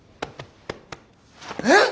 えっ？